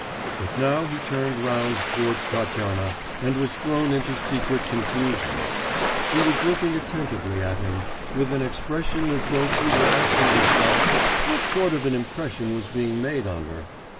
But now he turned round towards Tatyana, and was thrown into secret confusion; she was looking attentively at him, with an expression as though she were asking herself what sort of an impression was being made on her.